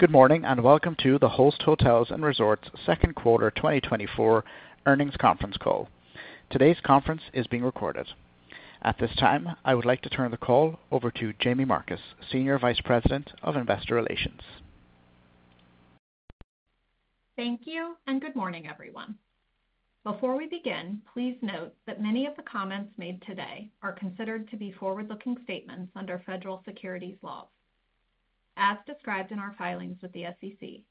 Good morning and welcome to the Host Hotels & Resorts Q2 2024 earnings conference call. Today's conference is being recorded. At this time, I would like to turn the call over to Jaime Marcus, Senior Vice President of Investor Relations. Thank you and good morning, everyone. Before we begin, please note that many of the comments made today are considered to be forward-looking statements under federal securities laws. As described in our filings with the SEC,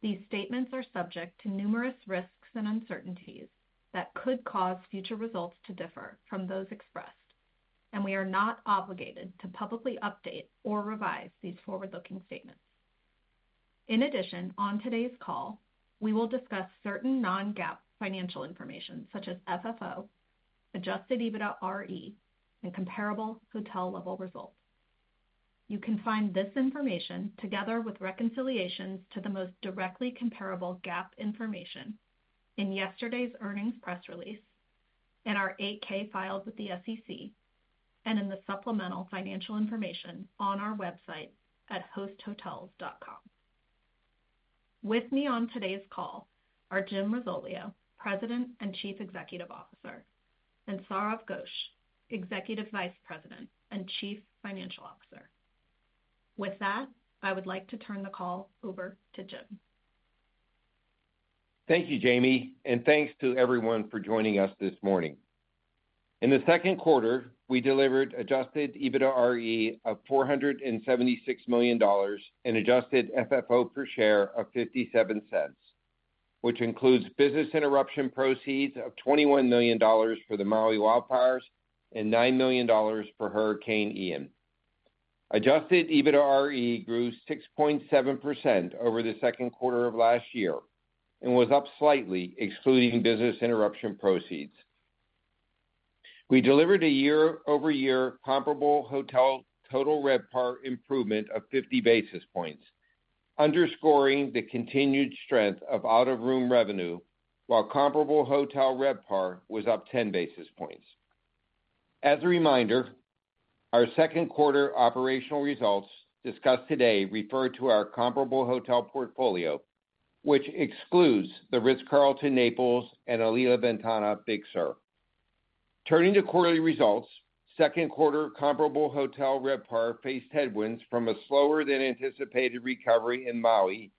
these statements are subject to numerous risks and uncertainties that could cause future results to differ from those expressed, and we are not obligated to publicly update or revise these forward-looking statements. In addition, on today's call, we will discuss certain non-GAAP financial information such as FFO, adjusted EBITDAre, and comparable hotel-level results. You can find this information together with reconciliations to the most directly comparable GAAP information in yesterday's earnings press release, in our 8-K files with the SEC, and in the supplemental financial information on our website at hosthotels.com. With me on today's call are Jim Risoleo, President and Chief Executive Officer, and Sourav Ghosh, Executive Vice President and Chief Financial Officer. With that, I would like to turn the call over to Jim. Thank you, Jaime, and thanks to everyone for joining us this morning. In the second quarter, we delivered adjusted EBITDAre of $476 million and adjusted FFO per share of $0.57, which includes business interruption proceeds of $21 million for the Maui wildfires and $9 million for Hurricane Ian. Adjusted EBITDAre grew 6.7% over the second quarter of last year and was up slightly, excluding business interruption proceeds. We delivered a year-over-year comparable hotel total RevPAR improvement of 50 basis points, underscoring the continued strength of out-of-room revenue, while comparable hotel RevPAR was up 10 basis points. As a reminder, our second quarter operational results discussed today refer to our comparable hotel portfolio, which excludes the Ritz-Carlton Naples and Alila Ventana Big Sur. Turning to quarterly results, second quarter comparable hotel RevPAR faced headwinds from a slower-than-anticipated recovery in Maui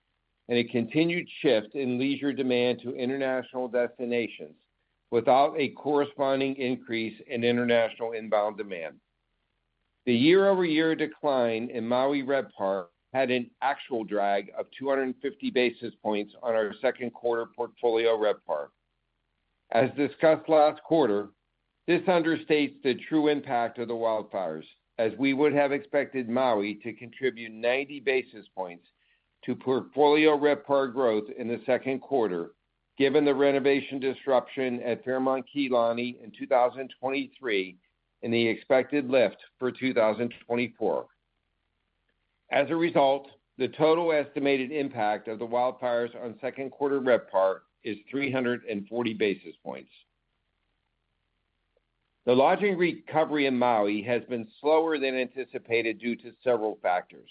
and a continued shift in leisure demand to international destinations without a corresponding increase in international inbound demand. The year-over-year decline in Maui RevPAR had an actual drag of 250 basis points on our second quarter portfolio RevPAR. As discussed last quarter, this understates the true impact of the wildfires, as we would have expected Maui to contribute 90 basis points to portfolio RevPAR growth in the second quarter, given the renovation disruption at Fairmont Kea Lani in 2023 and the expected lift for 2024. As a result, the total estimated impact of the wildfires on second quarter RevPAR is 340 basis points. The lodging recovery in Maui has been slower than anticipated due to several factors.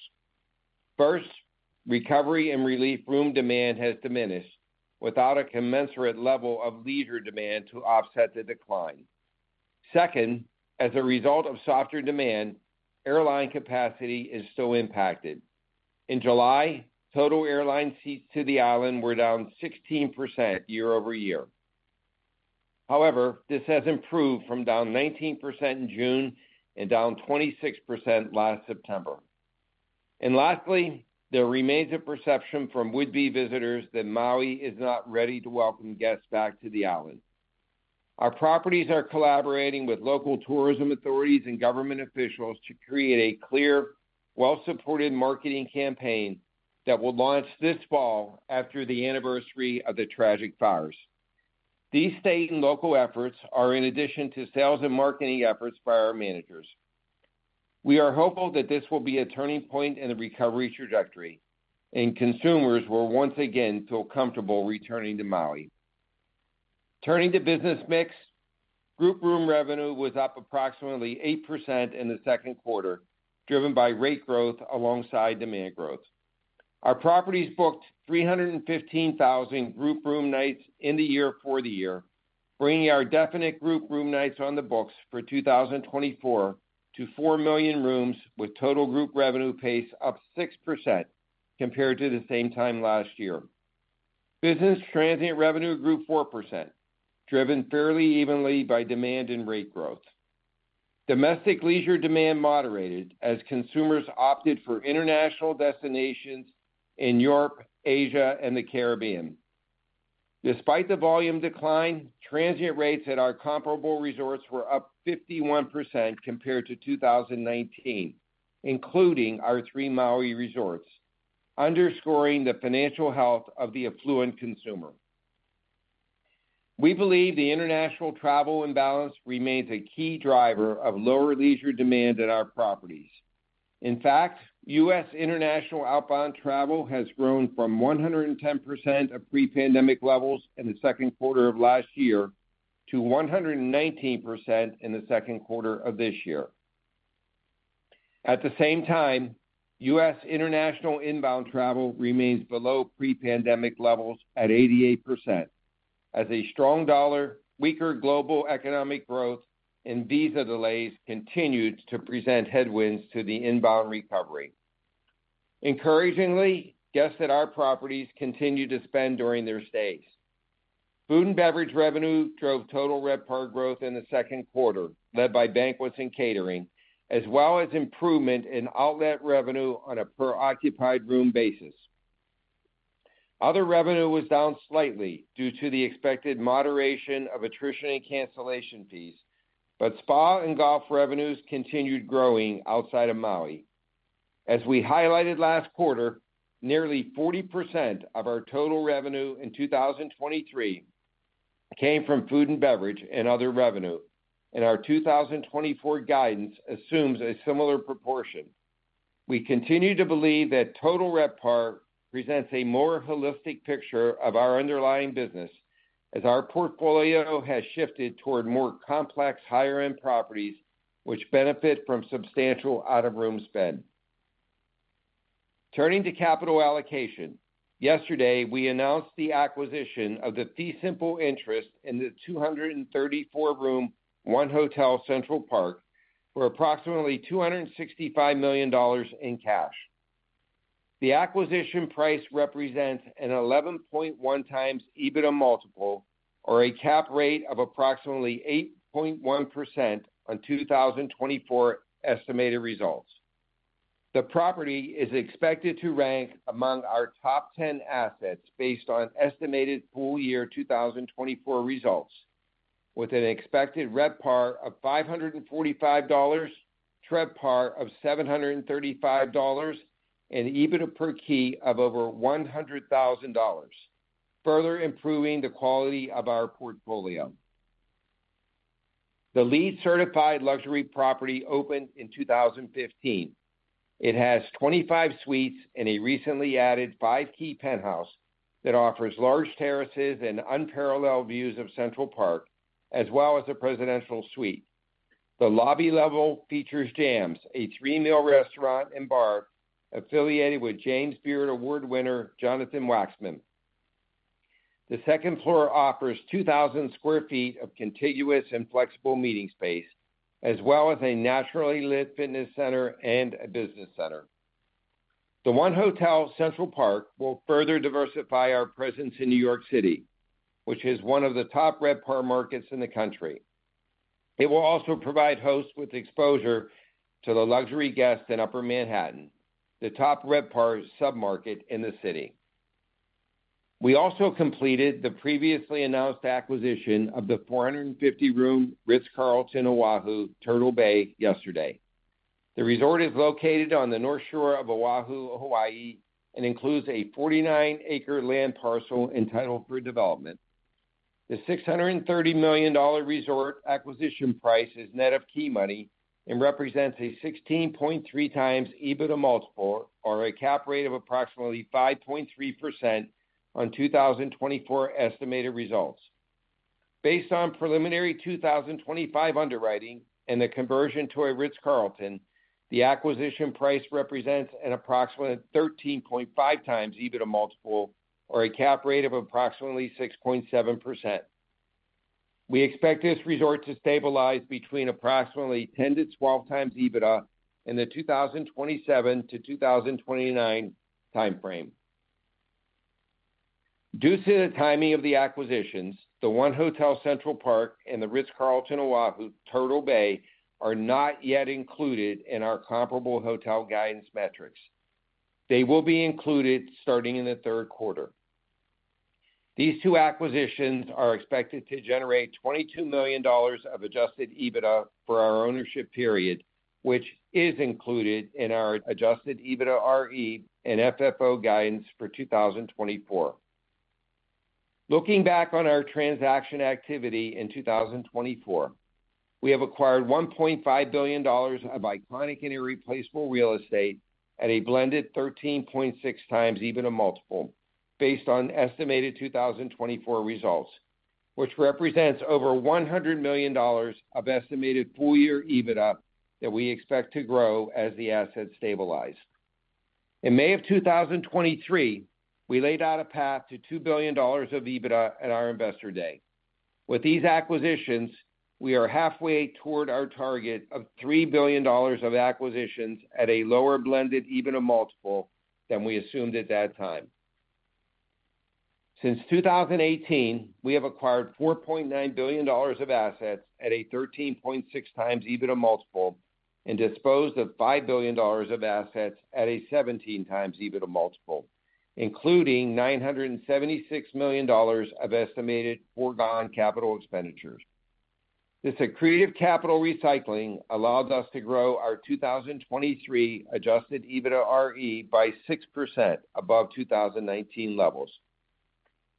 First, recovery and relief room demand has diminished without a commensurate level of leisure demand to offset the decline. Second, as a result of softer demand, airline capacity is still impacted. In July, total airline seats to the island were down 16% year-over-year. However, this has improved from down 19% in June and down 26% last September. And lastly, there remains a perception from would-be visitors that Maui is not ready to welcome guests back to the island. Our properties are collaborating with local tourism authorities and government officials to create a clear, well-supported marketing campaign that will launch this fall after the anniversary of the tragic fires. These state and local efforts are in addition to sales and marketing efforts by our managers. We are hopeful that this will be a turning point in the recovery trajectory and consumers will once again feel comfortable returning to Maui. Turning to business mix, group room revenue was up approximately 8% in the second quarter, driven by rate growth alongside demand growth. Our properties booked 315,000 group room nights in the year for the year, bringing our definite group room nights on the books for 2024 to 4 million rooms with total group revenue pace up 6% compared to the same time last year. Business transient revenue grew 4%, driven fairly evenly by demand and rate growth. Domestic leisure demand moderated as consumers opted for international destinations in Europe, Asia, and the Caribbean. Despite the volume decline, transient rates at our comparable resorts were up 51% compared to 2019, including our three Maui resorts, underscoring the financial health of the affluent consumer. We believe the international travel imbalance remains a key driver of lower leisure demand at our properties. In fact, U.S. International outbound travel has grown from 110% of pre-pandemic levels in the second quarter of last year to 119% in the second quarter of this year. At the same time, U.S. international inbound travel remains below pre-pandemic levels at 88%, as a strong dollar, weaker global economic growth, and visa delays continued to present headwinds to the inbound recovery. Encouragingly, guests at our properties continue to spend during their stays. Food and beverage revenue drove total RevPAR growth in the second quarter, led by banquets and catering, as well as improvement in outlet revenue on a per-occupied room basis. Other revenue was down slightly due to the expected moderation of attrition and cancellation fees, but spa and golf revenues continued growing outside of Maui. As we highlighted last quarter, nearly 40% of our total revenue in 2023 came from food and beverage and other revenue, and our 2024 guidance assumes a similar proportion. We continue to believe that total RevPAR presents a more holistic picture of our underlying business, as our portfolio has shifted toward more complex higher-end properties, which benefit from substantial out-of-room spend. Turning to capital allocation, yesterday we announced the acquisition of the fee simple interest in the 234-room 1 Hotel Central Park for approximately $265 million in cash. The acquisition price represents an 11.1x EBITDA multiple, or a cap rate of approximately 8.1% on 2024 estimated results. The property is expected to rank among our top 10 assets based on estimated full year 2024 results, with an expected RevPAR of $545, TRevPAR of $735, and EBITDA per key of over $100,000, further improving the quality of our portfolio. The LEED Certified Luxury Property opened in 2015. It has 25 suites and a recently added five-key penthouse that offers large terraces and unparalleled views of Central Park, as well as a presidential suite. The lobby level features Jams, a three-meal restaurant and bar affiliated with James Beard Award winner Jonathan Waxman. The second floor offers 2,000 sq ft of contiguous and flexible meeting space, as well as a naturally lit fitness center and a business center. The 1 Hotel Central Park will further diversify our presence in New York City, which is one of the top RevPAR markets in the country. It will also provide Host with exposure to the luxury guests in Upper Manhattan, the top RevPAR submarket in the city. We also completed the previously announced acquisition of the 450-room Ritz-Carlton Oahu Turtle Bay yesterday. The resort is located on the north shore of Oahu, Hawaii, and includes a 49-acre land parcel entitled for development. The $630 million resort acquisition price is net of key money and represents a 16.3x EBITDA multiple, or a cap rate of approximately 5.3% on 2024 estimated results. Based on preliminary 2025 underwriting and the conversion to a Ritz-Carlton, the acquisition price represents an approximate 13.5x EBITDA multiple, or a cap rate of approximately 6.7%. We expect this resort to stabilize between approximately 10x-12x EBITDA in the 2027-2029 timeframe. Due to the timing of the acquisitions, the 1 Hotel Central Park and the Ritz-Carlton Oahu, Turtle Bay are not yet included in our comparable hotel guidance metrics. They will be included starting in the third quarter. These two acquisitions are expected to generate $22 million of adjusted EBITDA for our ownership period, which is included in our adjusted EBITDAre and FFO guidance for 2024. Looking back on our transaction activity in 2024, we have acquired $1.5 billion of iconic and irreplaceable real estate at a blended 13.6x EBITDA multiple, based on estimated 2024 results, which represents over $100 million of estimated full year EBITDA that we expect to grow as the assets stabilize. In May of 2023, we laid out a path to $2 billion of EBITDA at our investor day. With these acquisitions, we are halfway toward our target of $3 billion of acquisitions at a lower blended EBITDA multiple than we assumed at that time. Since 2018, we have acquired $4.9 billion of assets at a 13.6x EBITDA multiple and disposed of $5 billion of assets at a 17x EBITDA multiple, including $976 million of estimated forgone capital expenditures. This accretive capital recycling allows us to grow our 2023 Adjusted EBITDAre by 6% above 2019 levels,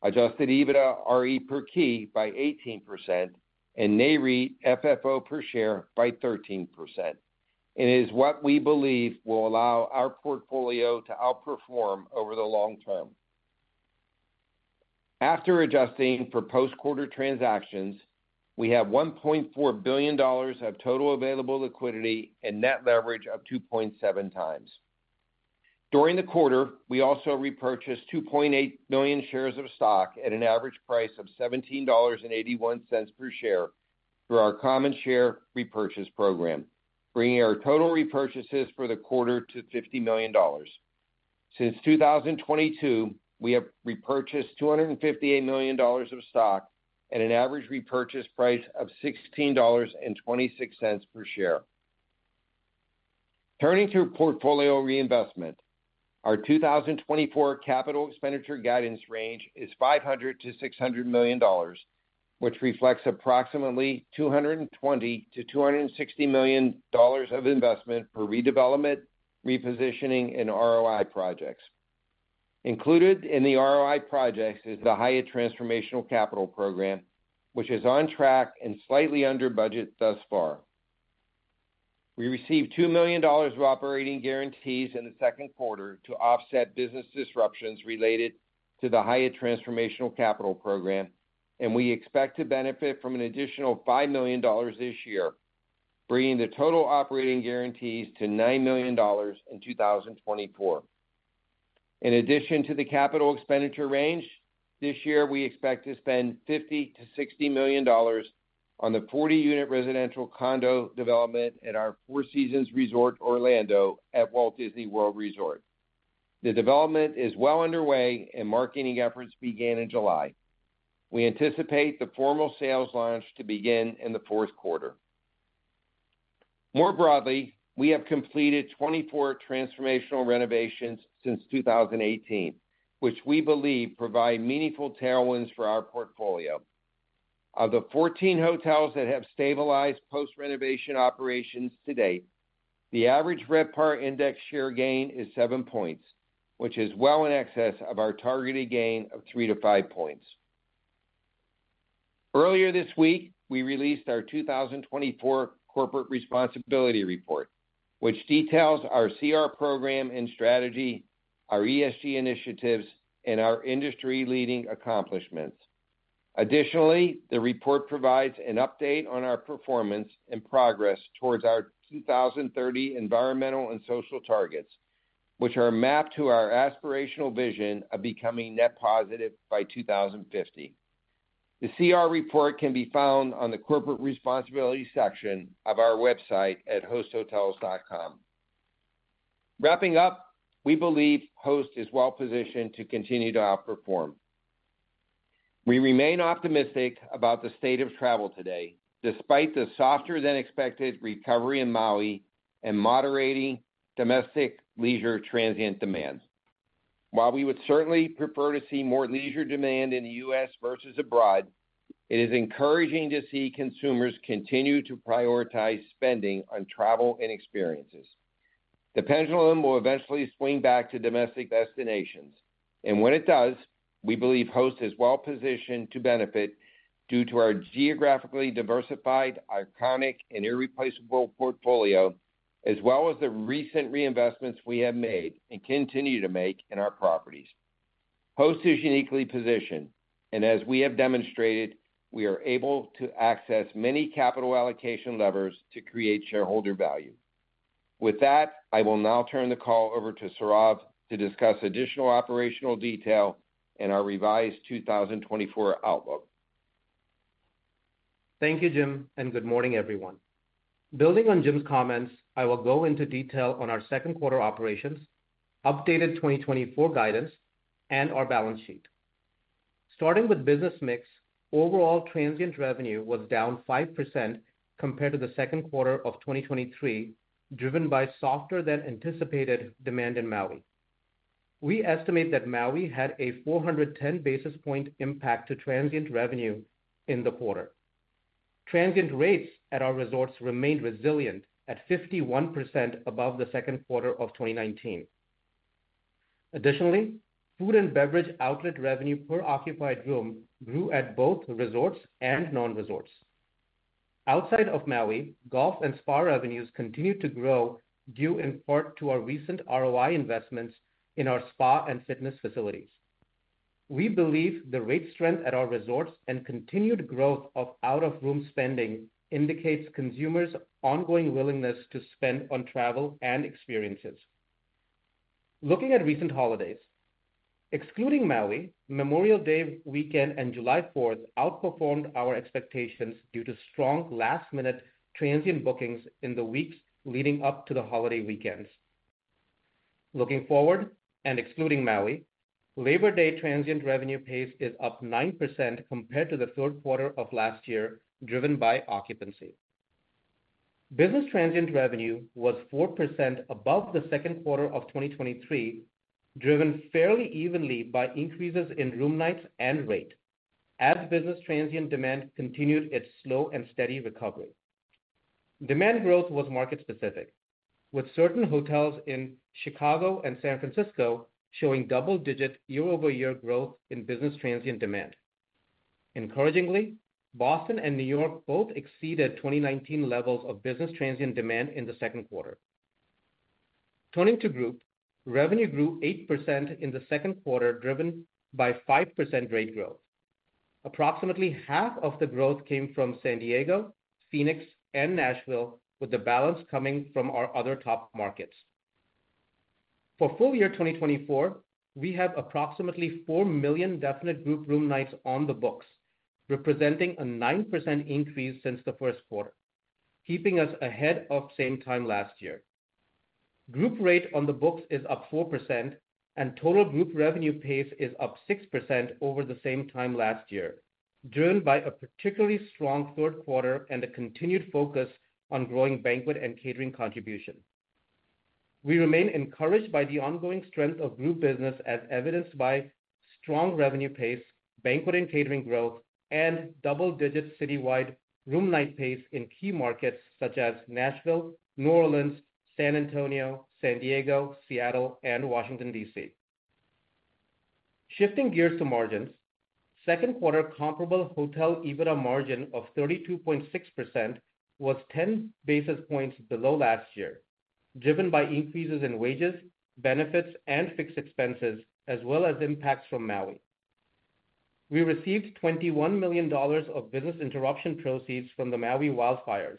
Adjusted EBITDAre per key by 18%, and NAREIT FFO per share by 13%, and is what we believe will allow our portfolio to outperform over the long term. After adjusting for post-quarter transactions, we have $1.4 billion of total available liquidity and net leverage of 2.7x. During the quarter, we also repurchased 2.8 million shares of stock at an average price of $17.81 per share through our common share repurchase program, bringing our total repurchases for the quarter to $50 million. Since 2022, we have repurchased $258 million of stock at an average repurchase price of $16.26 per share. Turning to portfolio reinvestment, our 2024 capital expenditure guidance range is $500 million-$600 million, which reflects approximately $220 million-$260 million of investment for redevelopment, repositioning, and ROI projects. Included in the ROI projects is the Hyatt Transformational Capital Program, which is on track and slightly under budget thus far. We received $2 million of operating guarantees in the second quarter to offset business disruptions related to the Hyatt Transformational Capital Program, and we expect to benefit from an additional $5 million this year, bringing the total operating guarantees to $9 million in 2024. In addition to the capital expenditure range, this year we expect to spend $50 million-$60 million on the 40-unit residential condo development at our Four Seasons Resort Orlando at Walt Disney World Resort. The development is well underway, and marketing efforts began in July. We anticipate the formal sales launch to begin in the fourth quarter. More broadly, we have completed 24 transformational renovations since 2018, which we believe provide meaningful tailwinds for our portfolio. Of the 14 hotels that have stabilized post-renovation operations to date, the average RevPAR index share gain is 7 points, which is well in excess of our targeted gain of 3-5 points. Earlier this week, we released our 2024 corporate responsibility report, which details our CR program and strategy, our ESG initiatives, and our industry-leading accomplishments. Additionally, the report provides an update on our performance and progress towards our 2030 environmental and social targets, which are a map to our aspirational vision of becoming net positive by 2050. The CR report can be found on the corporate responsibility section of our website at hosthotels.com. Wrapping up, we believe Host is well positioned to continue to outperform. We remain optimistic about the state of travel today, despite the softer-than-expected recovery in Maui and moderating domestic leisure transient demand. While we would certainly prefer to see more leisure demand in the U.S. versus abroad, it is encouraging to see consumers continue to prioritize spending on travel and experiences. The pendulum will eventually swing back to domestic destinations, and when it does, we believe Host is well positioned to benefit due to our geographically diversified, iconic, and irreplaceable portfolio, as well as the recent reinvestments we have made and continue to make in our properties. Host is uniquely positioned, and as we have demonstrated, we are able to access many capital allocation levers to create shareholder value. With that, I will now turn the call over to Sourav to discuss additional operational detail in our revised 2024 outlook. Thank you, Jim, and good morning, everyone. Building on Jim's comments, I will go into detail on our second quarter operations, updated 2024 guidance, and our balance sheet. Starting with business mix, overall transient revenue was down 5% compared to the second quarter of 2023, driven by softer-than-anticipated demand in Maui. We estimate that Maui had a 410 basis points impact to transient revenue in the quarter. Transient rates at our resorts remained resilient at 51% above the second quarter of 2019. Additionally, food and beverage outlet revenue per occupied room grew at both resorts and non-resorts. Outside of Maui, golf and spa revenues continued to grow due in part to our recent ROI investments in our spa and fitness facilities. We believe the rate strength at our resorts and continued growth of out-of-room spending indicates consumers' ongoing willingness to spend on travel and experiences. Looking at recent holidays, excluding Maui, Memorial Day weekend and July 4th outperformed our expectations due to strong last-minute transient bookings in the weeks leading up to the holiday weekends. Looking forward and excluding Maui, Labor Day transient revenue pace is up 9% compared to the third quarter of last year, driven by occupancy. Business transient revenue was 4% above the second quarter of 2023, driven fairly evenly by increases in room nights and rate, as business transient demand continued its slow and steady recovery. Demand growth was market-specific, with certain hotels in Chicago and San Francisco showing double-digit year-over-year growth in business transient demand. Encouragingly, Boston and New York both exceeded 2019 levels of business transient demand in the second quarter. Turning to group, revenue grew 8% in the second quarter, driven by 5% rate growth. Approximately half of the growth came from San Diego, Phoenix, and Nashville, with the balance coming from our other top markets. For full year 2024, we have approximately 4 million definite group room nights on the books, representing a 9% increase since the first quarter, keeping us ahead of same time last year. Group rate on the books is up 4%, and total group revenue pace is up 6% over the same time last year, driven by a particularly strong third quarter and a continued focus on growing banquet and catering contribution. We remain encouraged by the ongoing strength of group business, as evidenced by strong revenue pace, banquet and catering growth, and double-digit citywide room night pace in key markets such as Nashville, New Orleans, San Antonio, San Diego, Seattle, and Washington, D.C. Shifting gears to margins, second quarter comparable hotel EBITDA margin of 32.6% was 10 basis points below last year, driven by increases in wages, benefits, and fixed expenses, as well as impacts from Maui. We received $21 million of business interruption proceeds from the Maui wildfires,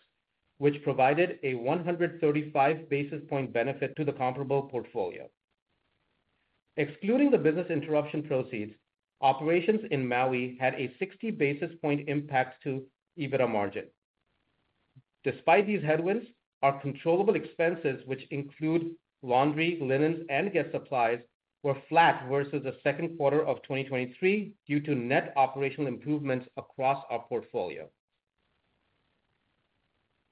which provided a 135 basis point benefit to the comparable portfolio. Excluding the business interruption proceeds, operations in Maui had a 60 basis points impact to EBITDA margin. Despite these headwinds, our controllable expenses, which include laundry, linens, and guest supplies, were flat versus the second quarter of 2023 due to net operational improvements across our portfolio.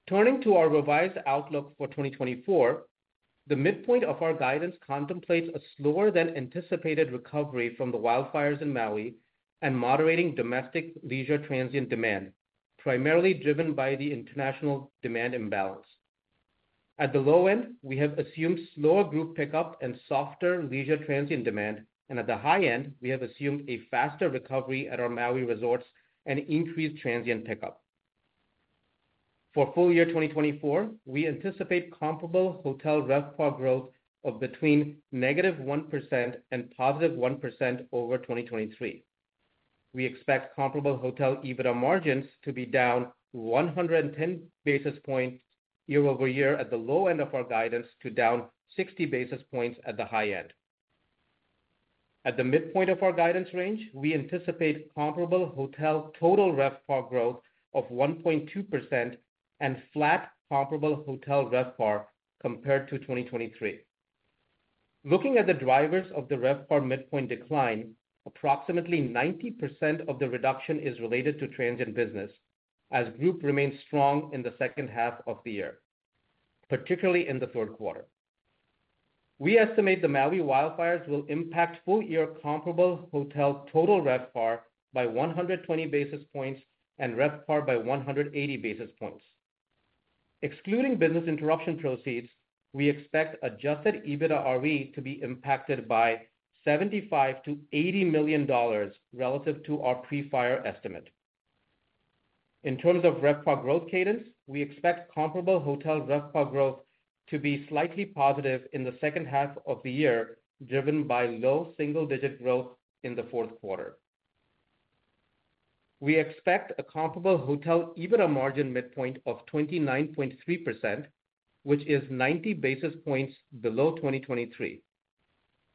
Turning to our revised outlook for 2024, the midpoint of our guidance contemplates a slower-than-anticipated recovery from the wildfires in Maui and moderating domestic leisure transient demand, primarily driven by the international demand imbalance. At the low end, we have assumed slower group pickup and softer leisure transient demand, and at the high end, we have assumed a faster recovery at our Maui resorts and increased transient pickup. For full year 2024, we anticipate comparable hotel RevPAR growth of between -1% and +1% over 2023. We expect comparable hotel EBITDA margins to be down 110 basis points year-over-year at the low end of our guidance to down 60 basis points at the high end. At the midpoint of our guidance range, we anticipate comparable hotel total RevPAR growth of 1.2% and flat comparable hotel RevPAR compared to 2023. Looking at the drivers of the RevPAR midpoint decline, approximately 90% of the reduction is related to transient business, as group remained strong in the second half of the year, particularly in the third quarter. We estimate the Maui wildfires will impact full year comparable hotel total RevPAR by 120 basis points and RevPAR by 180 basis points. Excluding business interruption proceeds, we expect adjusted EBITDAre to be impacted by $75 million-$80 million relative to our pre-fire estimate. In terms of RevPAR growth cadence, we expect comparable hotel RevPAR growth to be slightly positive in the second half of the year, driven by low single-digit growth in the fourth quarter. We expect a comparable hotel EBITDA margin midpoint of 29.3%, which is 90 basis points below 2023.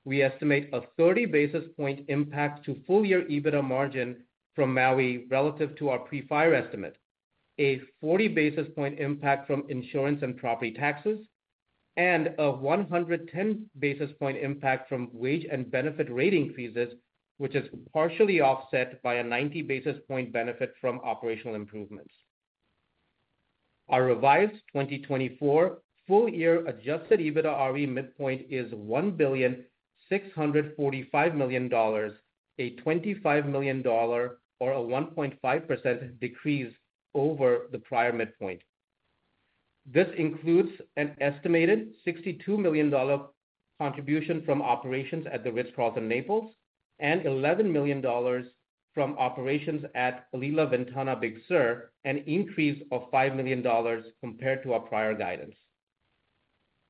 We estimate a 30 basis point impact to full year EBITDA margin from Maui relative to our pre-fire estimate, a 40 basis point impact from insurance and property taxes, and a 110 basis point impact from wage and benefit rate increases, which is partially offset by a 90 basis point benefit from operational improvements. Our revised 2024 full year Adjusted EBITDAre midpoint is $1,645 million, a $25 million or a 1.5% decrease over the prior midpoint. This includes an estimated $62 million contribution from operations at The Ritz-Carlton, Naples and $11 million from operations at Alila Ventana Big Sur, an increase of $5 million compared to our prior guidance.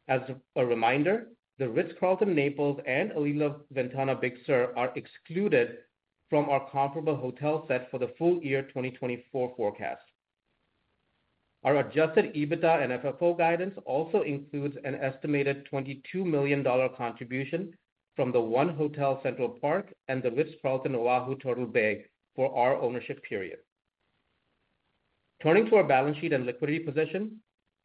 As a reminder, The Ritz-Carlton, Naples and Alila Ventana Big Sur are excluded from our comparable hotel set for the full year 2024 forecast. Our adjusted EBITDA and FFO guidance also includes an estimated $22 million contribution from 1 Hotel Central Park and The Ritz-Carlton Oahu, Turtle Bay for our ownership period. Turning to our balance sheet and liquidity position,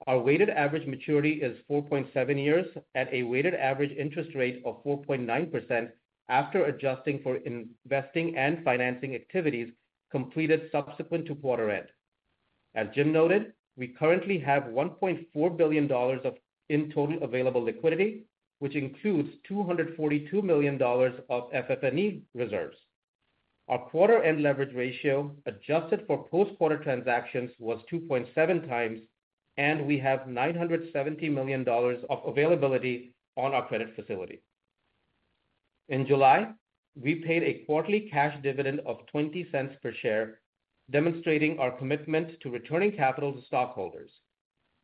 our weighted average maturity is 4.7 years at a weighted average interest rate of 4.9% after adjusting for investing and financing activities completed subsequent to quarter end. As Jim noted, we currently have $1.4 billion of in total available liquidity, which includes $242 million of FF&E reserves. Our quarter end leverage ratio adjusted for post-quarter transactions was 2.7 times, and we have $970 million of availability on our credit facility. In July, we paid a quarterly cash dividend of $0.20 per share, demonstrating our commitment to returning capital to stockholders.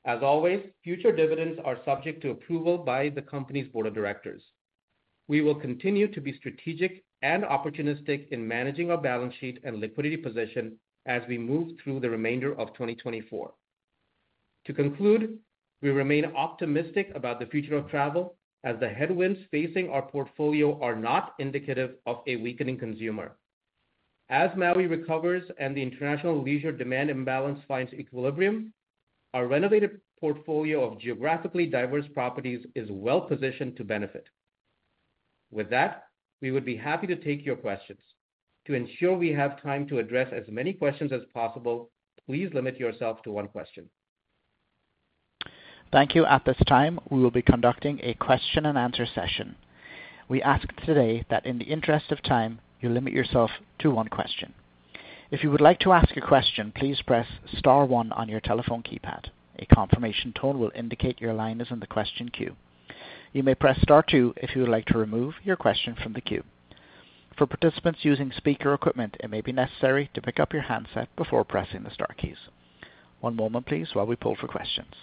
As always, future dividends are subject to approval by the company's board of directors. We will continue to be strategic and opportunistic in managing our balance sheet and liquidity position as we move through the remainder of 2024. To conclude, we remain optimistic about the future of travel, as the headwinds facing our portfolio are not indicative of a weakening consumer. As Maui recovers and the international leisure demand imbalance finds equilibrium, our renovated portfolio of geographically diverse properties is well positioned to benefit. With that, we would be happy to take your questions. To ensure we have time to address as many questions as possible, please limit yourself to one question. Thank you. At this time, we will be conducting a question and answer session. We ask today that in the interest of time, you limit yourself to one question. If you would like to ask a question, please press Star one on your telephone keypad. A confirmation tone will indicate your line is in the question queue. You may press Star two if you would like to remove your question from the queue. For participants using speaker equipment, it may be necessary to pick up your handset before pressing the Star keys. One moment, please, while we pull for questions.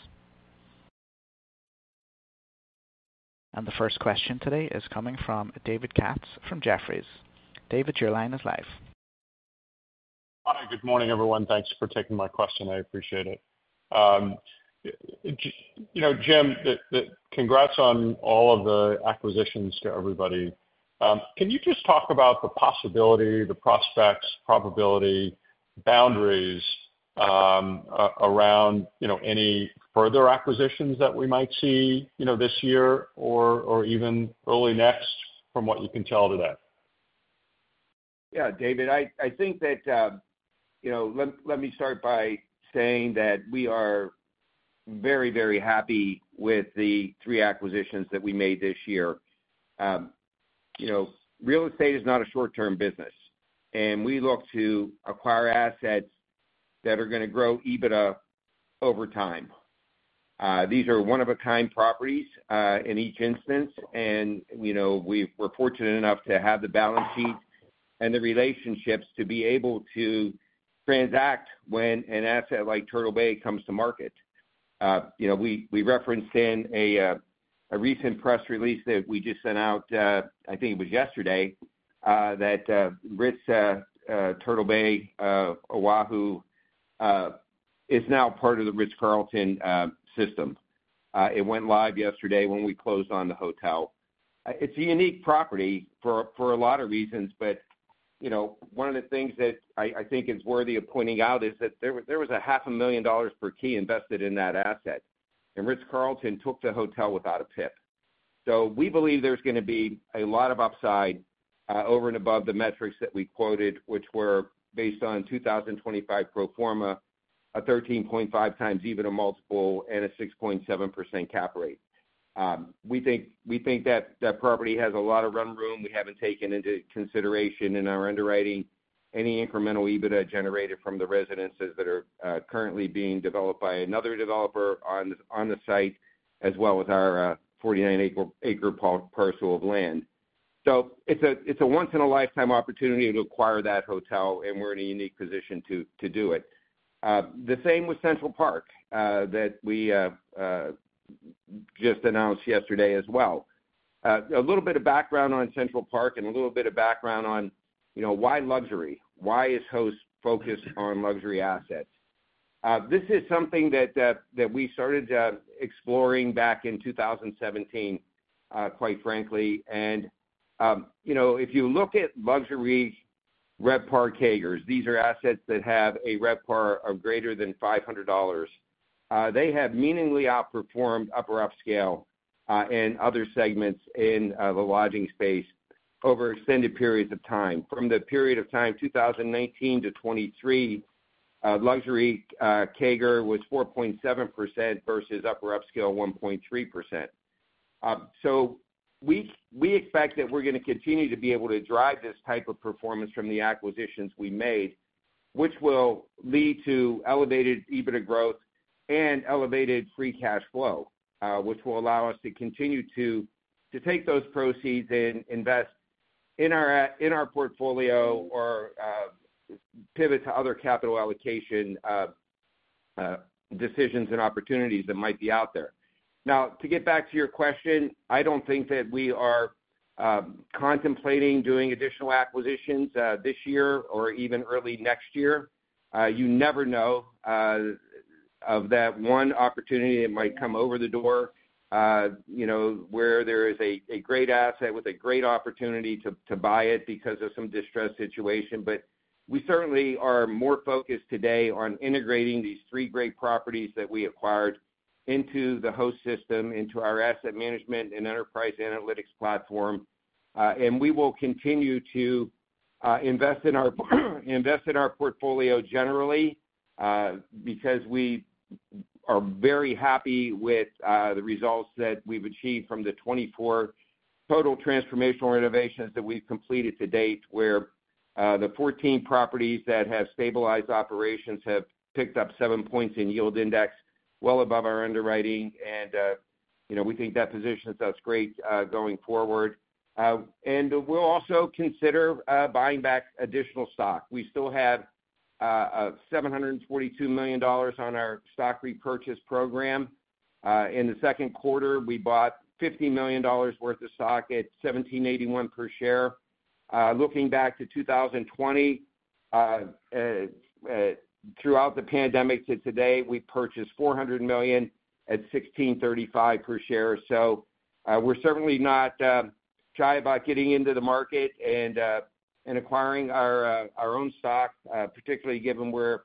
The first question today is coming from David Katz from Jefferies. David, your line is live. Hi, good morning, everyone. Thanks for taking my question. I appreciate it. You know, Jim, congrats on all of the acquisitions to everybody. Can you just talk about the possibility, the prospects, probability, boundaries around any further acquisitions that we might see this year or even early next from what you can tell today? Yeah, David, I think that, you know, let me start by saying that we are very, very happy with the three acquisitions that we made this year. You know, real estate is not a short-term business, and we look to acquire assets that are going to grow EBITDA over time. These are one-of-a-kind properties in each instance, and, you know, we're fortunate enough to have the balance sheet and the relationships to be able to transact when an asset like Turtle Bay comes to market. You know, we referenced in a recent press release that we just sent out, I think it was yesterday, that Ritz-Carlton Oahu, Turtle Bay is now part of The Ritz-Carlton system. It went live yesterday when we closed on the hotel. It's a unique property for a lot of reasons, but, you know, one of the things that I think is worthy of pointing out is that there was $500,000 per key invested in that asset, and Ritz-Carlton took the hotel without a PIP. So we believe there's going to be a lot of upside over and above the metrics that we quoted, which were based on 2025 pro forma, a 13.5x EBITDA multiple and a 6.7% cap rate. We think that that property has a lot of run room. We haven't taken into consideration in our underwriting any incremental EBITDA generated from the residences that are currently being developed by another developer on the site, as well as our 49-acre parcel of land. So it's a once-in-a-lifetime opportunity to acquire that hotel, and we're in a unique position to do it. The same with Central Park that we just announced yesterday as well. A little bit of background on Central Park and a little bit of background on, you know, why luxury? Why is Host focused on luxury assets? This is something that we started exploring back in 2017, quite frankly. And, you know, if you look at luxury RevPAR categories, these are assets that have a RevPAR of greater than $500. They have meaningfully outperformed Upper Upscale and other segments in the lodging space over extended periods of time. From the period of time 2019 to 2023, luxury segment was 4.7% versus Upper Upscale 1.3%. So we expect that we're going to continue to be able to drive this type of performance from the acquisitions we made, which will lead to elevated EBITDA growth and elevated free cash flow, which will allow us to continue to take those proceeds and invest in our portfolio or pivot to other capital allocation decisions and opportunities that might be out there. Now, to get back to your question, I don't think that we are contemplating doing additional acquisitions this year or even early next year. You never know of that one opportunity that might come over the door, you know, where there is a great asset with a great opportunity to buy it because of some distressed situation. But we certainly are more focused today on integrating these three great properties that we acquired into the Host system, into our asset management and enterprise analytics platform. And we will continue to invest in our portfolio generally because we are very happy with the results that we've achieved from the 24 total transformational renovations that we've completed to date, where the 14 properties that have stabilized operations have picked up seven points in yield index, well above our underwriting. And, you know, we think that positions us great going forward. And we'll also consider buying back additional stock. We still have $742 million on our stock repurchase program. In the second quarter, we bought $50 million worth of stock at $17.81 per share. Looking back to 2020, throughout the pandemic to today, we purchased $400 million at $16.35 per share. So we're certainly not shy about getting into the market and acquiring our own stock, particularly given where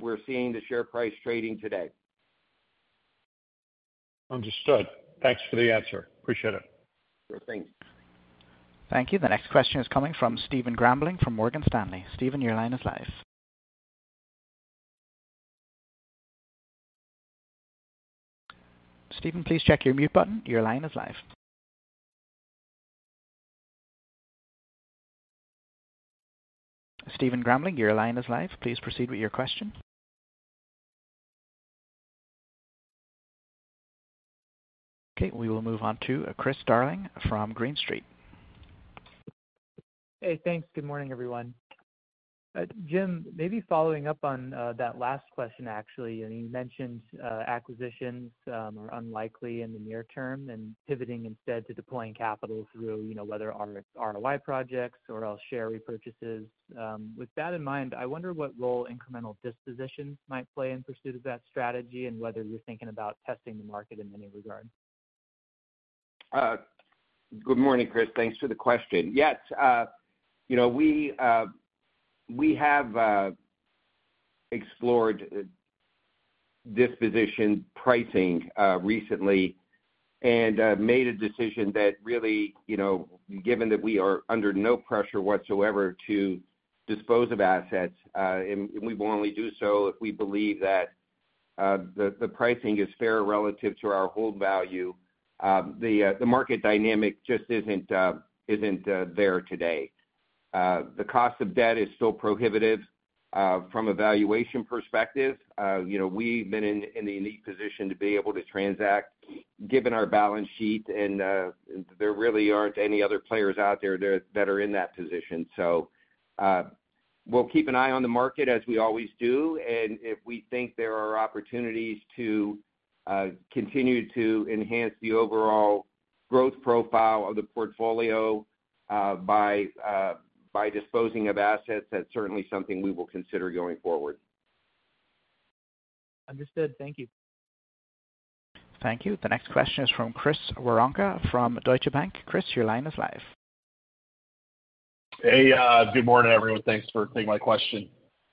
we're seeing the share price trading today. Understood. Thanks for the answer. Appreciate it. Sure, thanks. Thank you. The next question is coming from Stephen Grambling from Morgan Stanley. Stephen, your line is live. Stephen, please check your mute button. Your line is live. Stephen Grambling, your line is live. Please proceed with your question. Okay, we will move on to Chris Darling from Green Street. Hey, thanks. Good morning, everyone. Jim, maybe following up on that last question, actually, you mentioned acquisitions are unlikely in the near term and pivoting instead to deploying capital through, you know, whether ROI projects or else share repurchases. With that in mind, I wonder what role incremental dispositions might play in pursuit of that strategy and whether you're thinking about testing the market in any regard. Good morning, Chris. Thanks for the question. Yes, you know, we have explored disposition pricing recently and made a decision that really, you know, given that we are under no pressure whatsoever to dispose of assets, and we will only do so if we believe that the pricing is fair relative to our hold value. The market dynamic just isn't there today. The cost of debt is still prohibitive from a valuation perspective. You know, we've been in the unique position to be able to transact given our balance sheet, and there really aren't any other players out there that are in that position. So we'll keep an eye on the market as we always do. And if we think there are opportunities to continue to enhance the overall growth profile of the portfolio by disposing of assets, that's certainly something we will consider going forward. Understood. Thank you. Thank you. The next question is from Chris Woronka from Deutsche Bank. Chris, your line is live. Hey, good morning, everyone. Thanks for taking my question.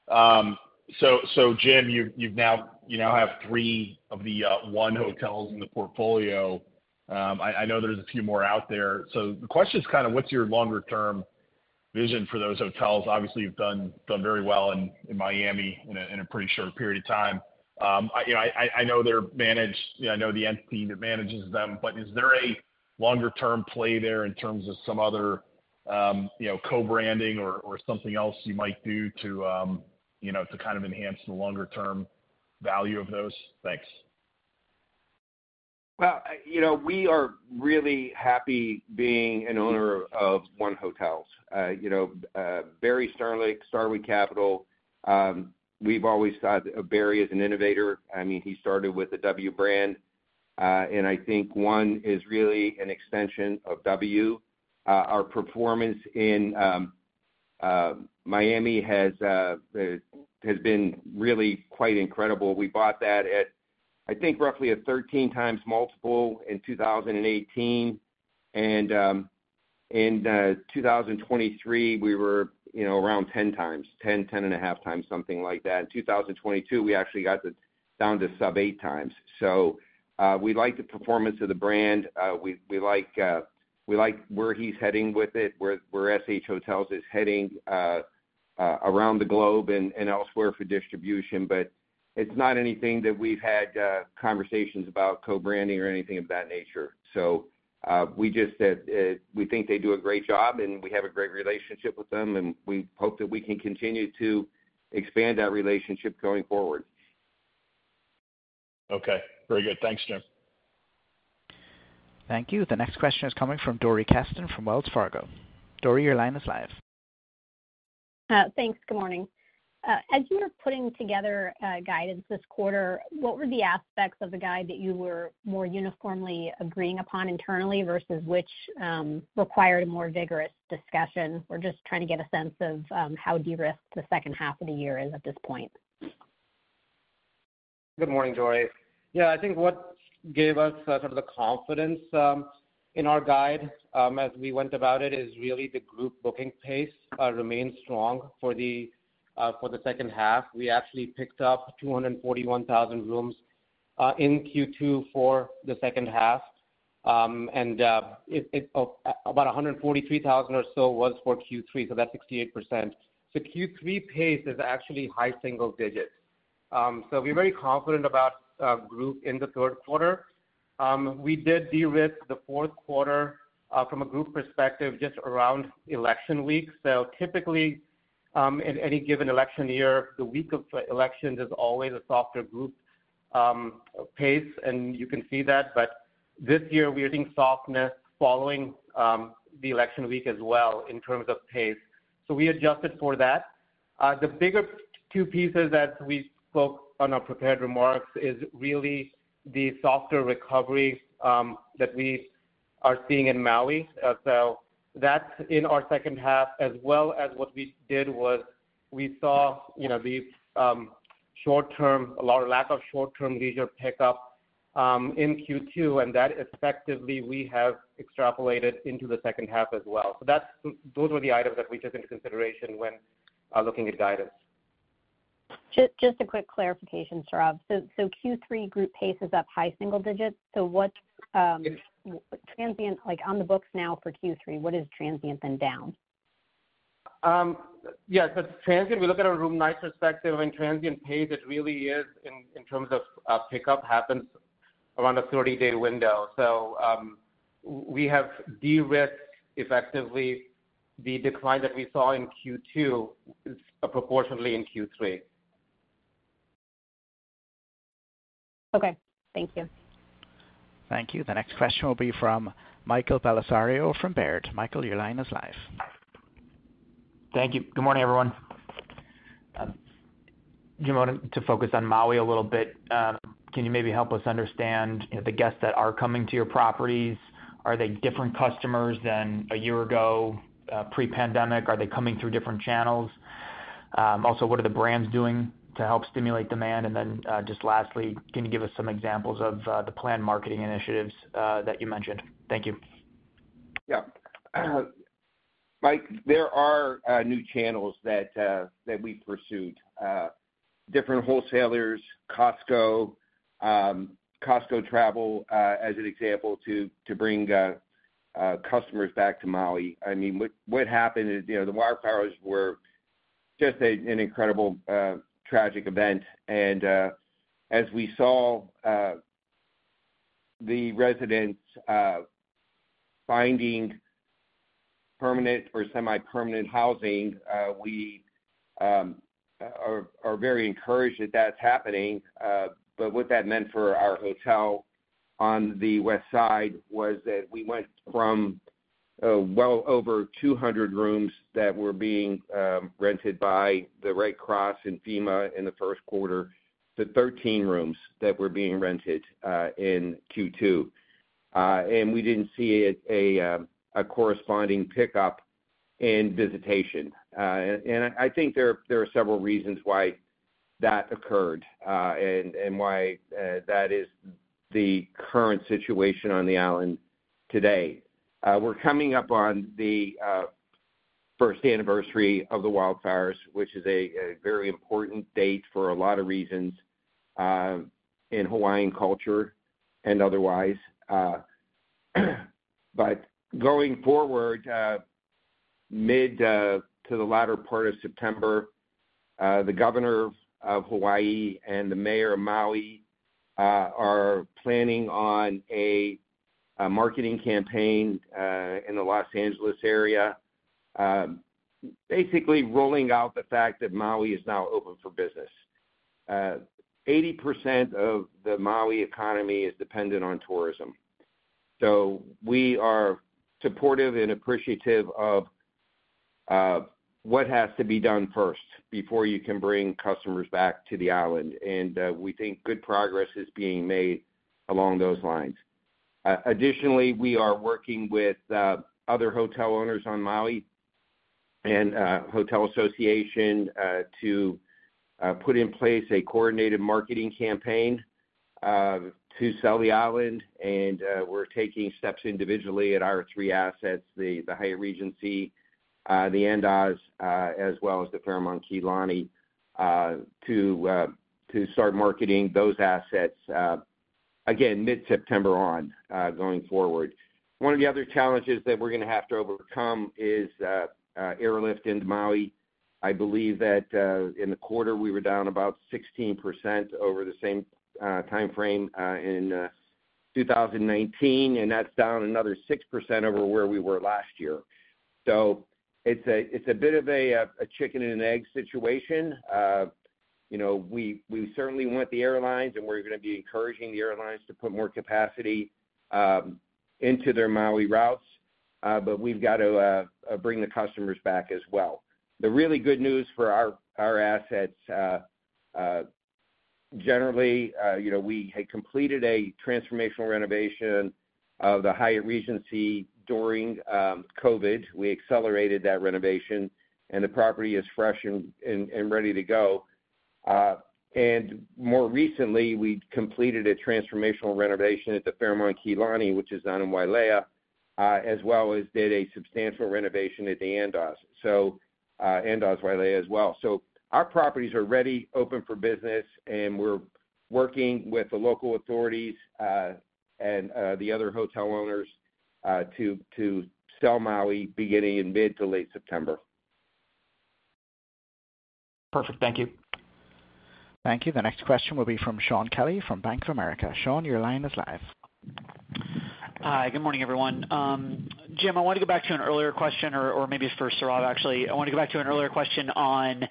So, Jim, you now have three of the 1 Hotels in the portfolio. I know there's a few more out there. So the question is kind of what's your longer-term vision for those hotels? Obviously, you've done very well in Miami in a pretty short period of time. You know, I know they're managed, you know, I know the entity that manages them, but is there a longer-term play there in terms of some other, you know, co-branding or something else you might do to, you know, to kind of enhance the longer-term value of those? Thanks. Well, you know, we are really happy being an owner of 1 Hotel. You know, Barry Sternlicht, Starwood Capital Group, we've always thought of Barry as an innovator. I mean, he started with the W brand, and I think 1 is really an extension of W. Our performance in Miami has been really quite incredible. We bought that at, I think, roughly a 13x multiple in 2018. And in 2023, we were, you know, around 10x, 10x, 10.5x, something like that. In 2022, we actually got down to sub 8x. So we like the performance of the brand. We like where he's heading with it, where SH Hotels is heading around the globe and elsewhere for distribution. But it's not anything that we've had conversations about co-branding or anything of that nature. So we just said we think they do a great job, and we have a great relationship with them, and we hope that we can continue to expand that relationship going forward. Okay, very good. Thanks, Jim. Thank you. The next question is coming from Dori Kesten from Wells Fargo. Dori, your line is live. Thanks. Good morning. As you were putting together guidance this quarter, what were the aspects of the guide that you were more uniformly agreeing upon internally versus which required a more vigorous discussion? We're just trying to get a sense of how de-risked the second half of the year is at this point. Good morning, Dori. Yeah, I think what gave us sort of the confidence in our guide as we went about it is really the group booking pace remained strong for the second half. We actually picked up 241,000 rooms in Q2 for the second half, and about 143,000 or so was for Q3, so that's 68%. So Q3 pace is actually high single digits. So we're very confident about group in the third quarter. We did de-risk the fourth quarter from a group perspective just around election week. So typically, in any given election year, the week of elections is always a softer group pace, and you can see that. But this year, we're seeing softness following the election week as well in terms of pace. So we adjusted for that. The bigger two pieces that we spoke on our prepared remarks is really the softer recovery that we are seeing in Maui. So that's in our second half, as well as what we did was we saw, you know, the short-term, a lot of lack of short-term leisure pickup in Q2, and that effectively we have extrapolated into the second half as well. So those were the items that we took into consideration when looking at guidance. Just a quick clarification, Sourav. So Q3 group pace is up high single digits. So what's transient, like on the books now for Q3, what is transient and down? Yeah, so transient, we look at a room night perspective. I mean, transient pace, it really is in terms of pickup happens around a 30-day window. So we have de-risked effectively the decline that we saw in Q2 is proportionately in Q3. Okay, thank you. Thank you. The next question will be from Michael Bellisario from Baird. Michael, your line is live. Thank you. Good morning, everyone. Jim wanted to focus on Maui a little bit. Can you maybe help us understand the guests that are coming to your properties? Are they different customers than a year ago pre-pandemic? Are they coming through different channels? Also, what are the brands doing to help stimulate demand? And then just lastly, can you give us some examples of the planned marketing initiatives that you mentioned? Thank you. Yeah. Mike, there are new channels that we've pursued. Different wholesalers, Costco, Costco Travel as an example to bring customers back to Maui. I mean, what happened is, you know, the wildfires were just an incredible tragic event. And as we saw the residents finding permanent or semi-permanent housing, we are very encouraged that that's happening. What that meant for our hotel on the west side was that we went from well over 200 rooms that were being rented by the Red Cross and FEMA in the first quarter to 13 rooms that were being rented in Q2. We didn't see a corresponding pickup in visitation. I think there are several reasons why that occurred and why that is the current situation on the island today. We're coming up on the first anniversary of the wildfires, which is a very important date for a lot of reasons in Hawaiian culture and otherwise. Going forward, mid to the latter part of September, the governor of Hawaii and the mayor of Maui are planning on a marketing campaign in the Los Angeles area, basically rolling out the fact that Maui is now open for business. 80% of the Maui economy is dependent on tourism. So we are supportive and appreciative of what has to be done first before you can bring customers back to the island. And we think good progress is being made along those lines. Additionally, we are working with other hotel owners on Maui and Hotel Association to put in place a coordinated marketing campaign to sell the island. And we're taking steps individually at our three assets, the Hyatt Regency, the Andaz, as well as the Fairmont Kea Lani, to start marketing those assets again mid-September on going forward. One of the other challenges that we're going to have to overcome is airlift into Maui. I believe that in the quarter, we were down about 16% over the same timeframe in 2019, and that's down another 6% over where we were last year. So it's a bit of a chicken and egg situation. You know, we certainly want the airlines, and we're going to be encouraging the airlines to put more capacity into their Maui routes, but we've got to bring the customers back as well. The really good news for our assets, generally, you know, we had completed a transformational renovation of the Hyatt Regency during COVID. We accelerated that renovation, and the property is fresh and ready to go. And more recently, we completed a transformational renovation at the Fairmont Kea Lani, which is in Wailea, as well as did a substantial renovation at the Andaz, so Andaz, Wailea as well. So our properties are ready, open for business, and we're working with the local authorities and the other hotel owners to sell Maui beginning in mid to late September. Perfect. Thank you. Thank you. The next question will be from Shaun Kelley from Bank of America. Shaun, your line is live. Hi, good morning, everyone. Jim, I want to go back to an earlier question, or maybe for Sourav actually. I want to go back to an earlier question on,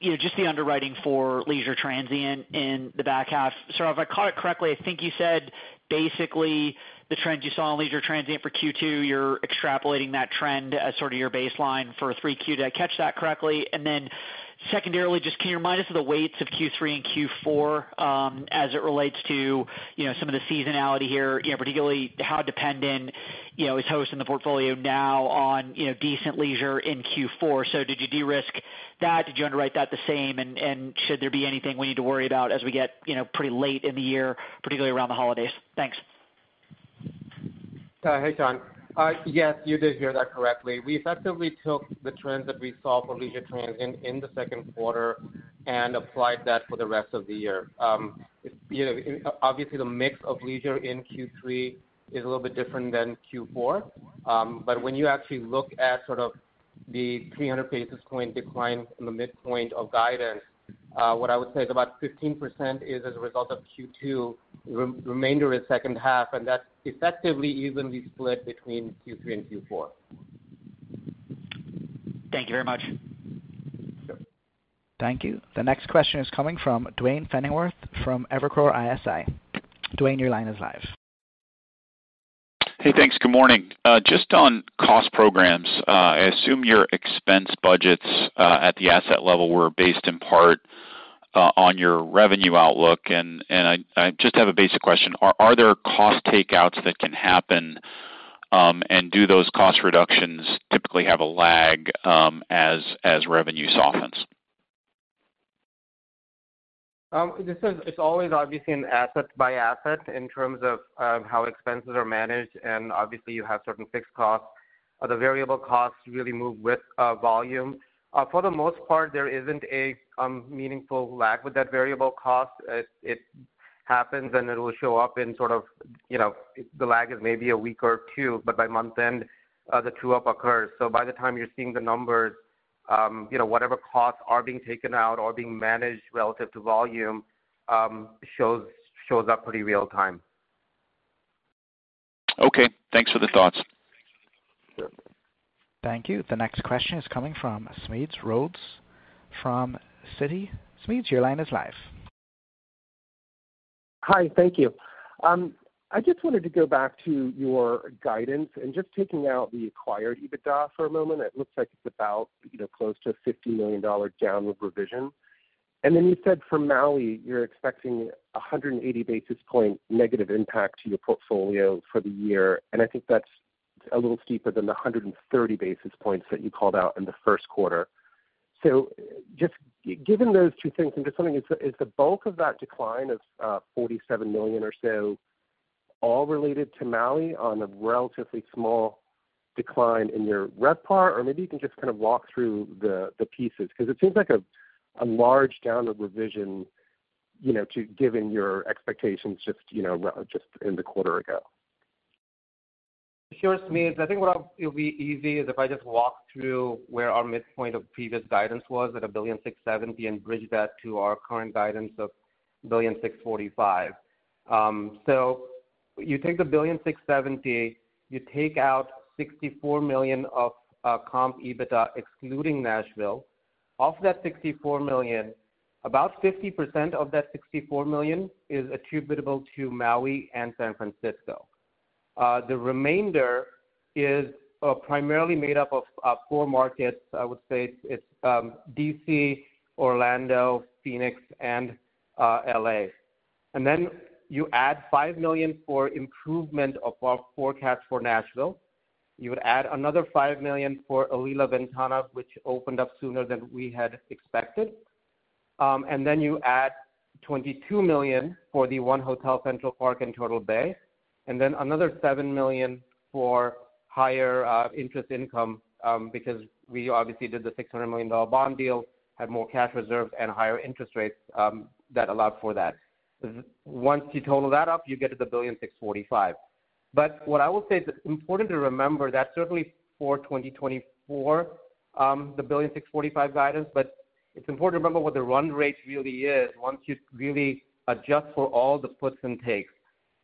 you know, just the underwriting for leisure transient in the back half. Sourav, if I caught it correctly, I think you said basically the trend you saw in leisure transient for Q2, you're extrapolating that trend as sort of your baseline for Q3. Did I catch that correctly? And then secondarily, just can you remind us of the weights of Q3 and Q4 as it relates to, you know, some of the seasonality here, you know, particularly how dependent, you know, is Host in the portfolio now on, you know, decent leisure in Q4? So did you de-risk that? Did you underwrite that the same? Should there be anything we need to worry about as we get, you know, pretty late in the year, particularly around the holidays? Thanks. Hey, Shaun. Yes, you did hear that correctly. We effectively took the trends that we saw for leisure transient in the second quarter and applied that for the rest of the year. You know, obviously, the mix of leisure in Q3 is a little bit different than Q4. But when you actually look at sort of the 300 basis points decline in the midpoint of guidance, what I would say is about 15% is as a result of Q2, remainder is second half, and that's effectively evenly split between Q3 and Q4. Thank you very much. Thank you. The next question is coming from Duane Pfennigwerth from Evercore ISI. Duane, your line is live. Hey, thanks. Good morning. Just on cost programs, I assume your expense budgets at the asset level were based in part on your revenue outlook. I just have a basic question. Are there cost takeouts that can happen, and do those cost reductions typically have a lag as revenue softens? It's always obviously an asset by asset in terms of how expenses are managed. Obviously, you have certain fixed costs. The variable costs really move with volume. For the most part, there isn't a meaningful lag with that variable cost. It happens, and it will show up in sort of, you know, the lag is maybe a week or two, but by month end, the true-up occurs. So by the time you're seeing the numbers, you know, whatever costs are being taken out or being managed relative to volume shows up pretty real time. Okay. Thanks for the thoughts. Thank you. The next question is coming from Smedes Rose from Citi. Smedes, your line is live. Hi, thank you. I just wanted to go back to your guidance and just taking out the acquired EBITDA for a moment. It looks like it's about, you know, close to $50 million down with revision. And then you said for Maui, you're expecting a 180 basis point negative impact to your portfolio for the year. And I think that's a little steeper than the 130 basis points that you called out in the first quarter. So just given those two things, I'm just wondering, is the bulk of that decline of $47 million or so all related to Maui on a relatively small decline in your RevPAR? Or maybe you can just kind of walk through the pieces because it seems like a large downward revision, you know, given your expectations just, you know, just in the quarter ago. Sure, Smedes. I think what will be easy is if I just walk through where our midpoint of previous guidance was at $1.67 billion and bridge that to our current guidance of $1.645 billion. So you take the $1.67 billion, you take out $64 million of comp EBITDA excluding Nashville. Off that $64 million, about 50% of that $64 million is attributable to Maui and San Francisco. The remainder is primarily made up of four markets. I would say it's D.C., Orlando, Phoenix, and L.A. And then you add $5 million for improvement of our forecast for Nashville. You would add another $5 million for Alila Ventana, which opened up sooner than we had expected. Then you add $22 million for the 1 Hotel Central Park in Turtle Bay. Then another $7 million for higher interest income because we obviously did the $600 million bond deal, had more cash reserves and higher interest rates that allowed for that. Once you total that up, you get to the $1.645 billion. But what I will say is it's important to remember that certainly for 2024, the $1.645 billion guidance, but it's important to remember what the run rate really is once you really adjust for all the puts and takes.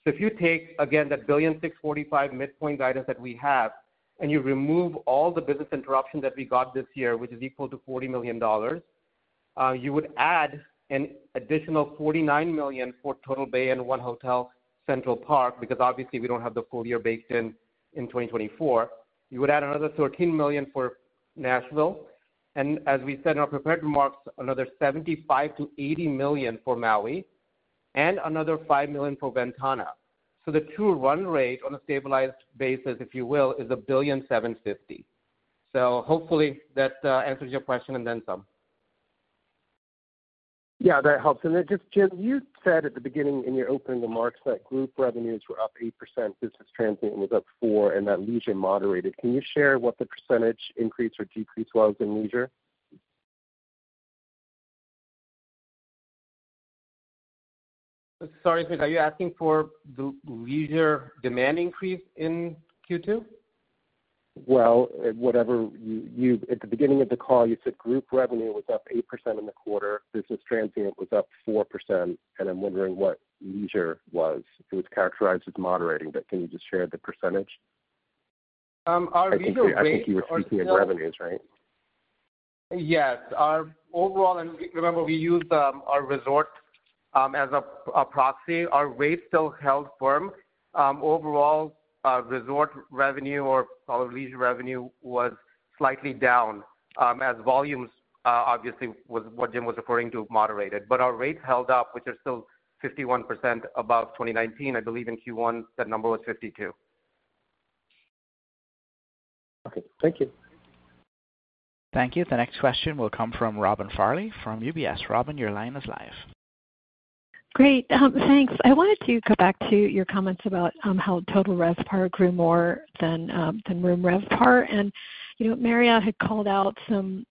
So if you take, again, that $1.645 billion midpoint guidance that we have and you remove all the business interruption that we got this year, which is equal to $40 million, you would add an additional $49 million for Turtle Bay and 1 Hotel Central Park because obviously we don't have the full year baked in in 2024. You would add another $13 million for Nashville. And as we said in our prepared remarks, another $75 million-$80 million for Maui and another $5 million for Ventana. So the true run rate on a stabilized basis, if you will, is a $1.750 billion. So hopefully that answers your question and then some. Yeah, that helps. And then just, Jim, you said at the beginning in your opening remarks that group revenues were up 8%, business transient was up 4%, and that leisure moderated. Can you share what the percentage increase or decrease was in leisure? Sorry, Smedes, are you asking for the leisure demand increase in Q2? Well, whatever you said at the beginning of the call, you said group revenue was up 8% in the quarter, business transient was up 4%, and I'm wondering what leisure was. It was characterized as moderating, but can you just share the percentage? Our leisure rate. I think you were speaking of revenues, right? Yes. Our overall, and remember, we used our resort as a proxy. Our rate still held firm. Overall, resort revenue or leisure revenue was slightly down as volumes obviously was what Jim was referring to moderated. But our rates held up, which are still 51% above 2019. I believe in Q1, that number was 52%. Okay. Thank you. Thank you. The next question will come from Robin Farley from UBS. Robin, your line is live. Great. Thanks. I wanted to go back to your comments about how Total RevPAR grew more than Room RevPAR. And, you know, Marriott had called out some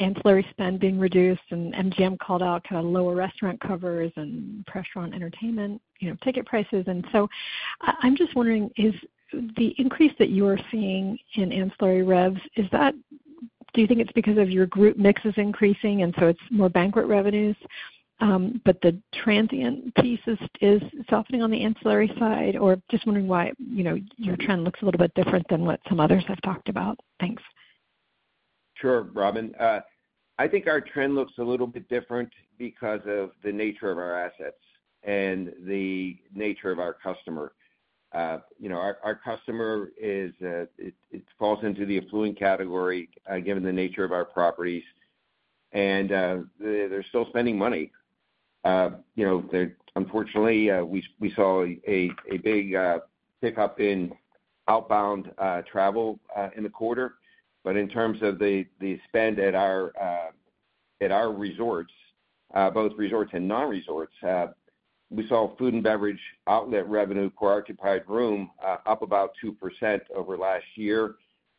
ancillary spend being reduced, and MGM called out kind of lower restaurant covers and pressure on entertainment, you know, ticket prices. And so I'm just wondering, is the increase that you are seeing in ancillary revs, is that do you think it's because of your group mix is increasing and so it's more banquet revenues, but the transient piece is softening on the ancillary side? Or just wondering why, you know, your trend looks a little bit different than what some others have talked about. Thanks. Sure, Robin. I think our trend looks a little bit different because of the nature of our assets and the nature of our customer. You know, our customer is it falls into the affluent category given the nature of our properties, and they're still spending money. You know, unfortunately, we saw a big pickup in outbound travel in the quarter. But in terms of the spend at our resorts, both resorts and non-resorts, we saw food and beverage outlet revenue per occupied room up about 2% over last year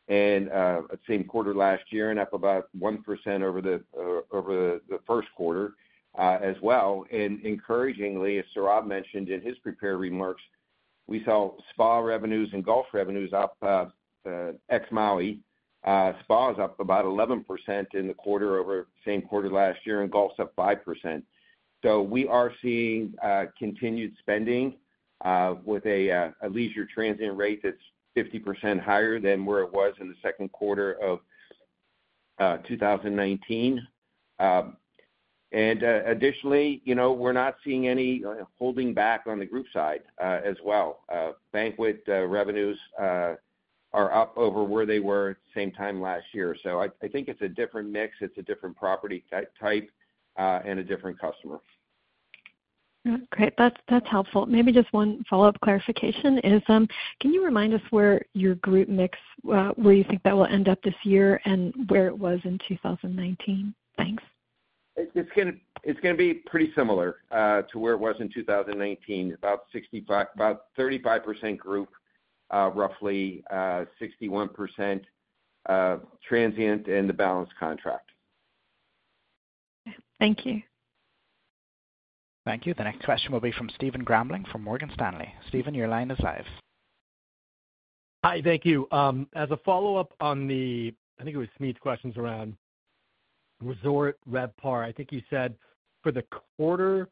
and same quarter last year and up about 1% over the first quarter as well. And encouragingly, as Sourav mentioned in his prepared remarks, we saw spa revenues and golf revenues up ex-Maui. Spa is up about 11% in the quarter over same quarter last year and golf's up 5%. So we are seeing continued spending with a leisure transient rate that's 50% higher than where it was in the second quarter of 2019. And additionally, you know, we're not seeing any holding back on the group side as well. Banquet revenues are up over where they were at the same time last year. So I think it's a different mix. It's a different property type and a different customer. Okay. That's helpful. Maybe just one follow-up clarification is, can you remind us where your group mix, where you think that will end up this year and where it was in 2019? Thanks. It's going to be pretty similar to where it was in 2019, about 65, about 35% group, roughly 61% transient and the balance contract. Thank you. Thank you. The next question will be from Stephen Grambling from Morgan Stanley. Stephen, your line is live. Hi, thank you. As a follow-up on the, I think it was Smedes's questions around resort RevPAR, I think you said for the quarter,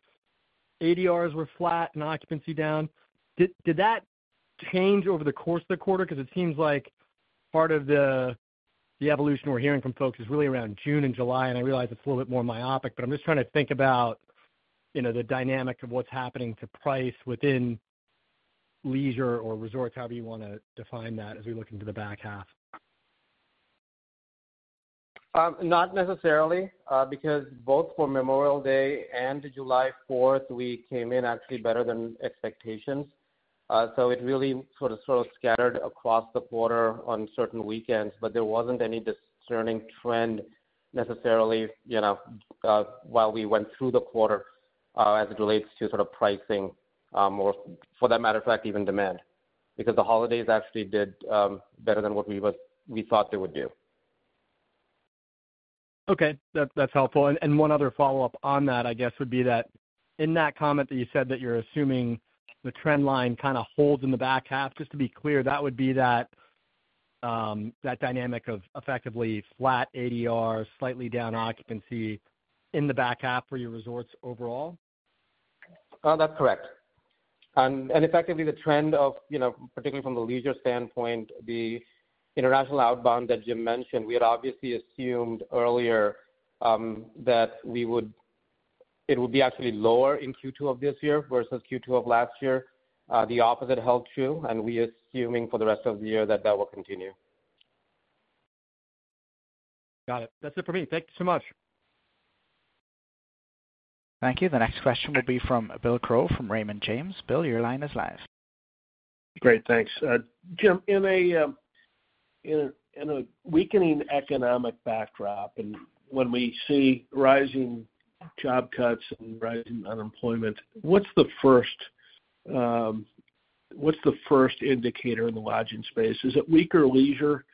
ADRs were flat and occupancy down. Did that change over the course of the quarter? Because it seems like part of the evolution we're hearing from folks is really around June and July, and I realize it's a little bit more myopic, but I'm just trying to think about, you know, the dynamic of what's happening to price within leisure or resorts, however you want to define that as we look into the back half. Not necessarily because both for Memorial Day and July 4th, we came in actually better than expectations. So it really sort of scattered across the quarter on certain weekends, but there wasn't any discerning trend necessarily, you know, while we went through the quarter as it relates to sort of pricing or, for that matter of fact, even demand because the holidays actually did better than what we thought they would do. Okay. That's helpful. And one other follow-up on that, I guess, would be that in that comment that you said that you're assuming the trend line kind of holds in the back half, just to be clear, that would be that dynamic of effectively flat ADR, slightly down occupancy in the back half for your resorts overall? That's correct. Effectively the trend of, you know, particularly from the leisure standpoint, the international outbound that Jim mentioned, we had obviously assumed earlier that we would, it would be actually lower in Q2 of this year versus Q2 of last year. The opposite held true, and we are assuming for the rest of the year that that will continue. Got it. That's it for me. Thank you so much. Thank you. The next question will be from Bill Crow from Raymond James. Bill, your line is live. Great. Thanks. Jim, in a weakening economic backdrop and when we see rising job cuts and rising unemployment, what's the first indicator in the lodging space? Is it weaker leisure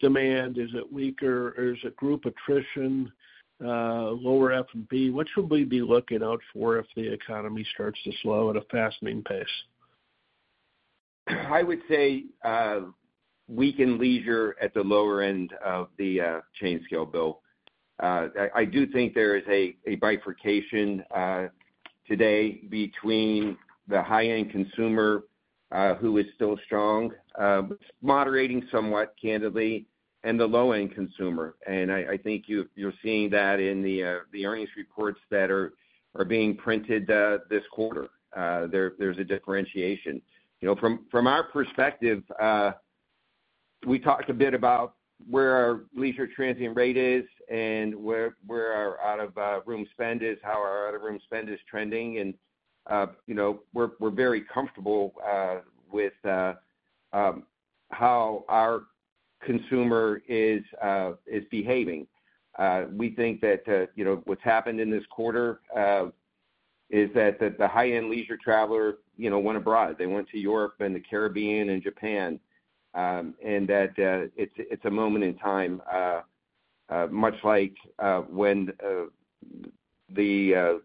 demand? Is it weaker? Is it group attrition, lower F&B? What should we be looking out for if the economy starts to slow at a faster pace? I would say weakened leisure at the lower end of the chain scale, Bill. I do think there is a bifurcation today between the high-end consumer who is still strong, moderating somewhat, candidly, and the low-end consumer. I think you're seeing that in the earnings reports that are being printed this quarter. There's a differentiation. You know, from our perspective, we talked a bit about where our leisure transient rate is and where our out-of-room spend is, how our out-of-room spend is trending. You know, we're very comfortable with how our consumer is behaving. We think that, you know, what's happened in this quarter is that the high-end leisure traveler, you know, went abroad. They went to Europe and the Caribbean and Japan. That it's a moment in time, much like when the